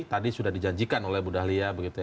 tadi sudah dijanjikan oleh bu dahlia begitu ya